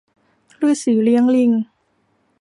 ฤๅษีเลี้ยงลิง